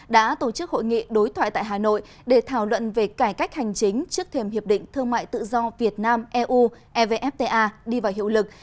đã tổ chức hội nghị đối thoại tại hà nội để thảo luận về cải cách hành chính trước thềm hiệp định thương mại tự do việt nam eu evfta đi vào hiệu lực